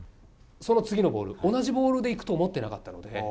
その次のボール、同じボールでいくと思ってなかったので。